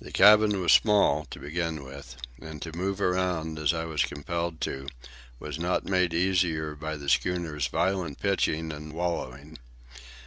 The cabin was small, to begin with, and to move around, as I was compelled to, was not made easier by the schooner's violent pitching and wallowing.